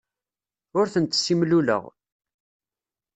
Ur tent-ssimluleɣ.